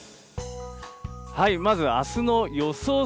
まずあすの予想